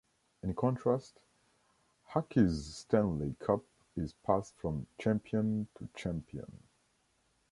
In contrast, hockey's Stanley Cup is passed from champion to champion.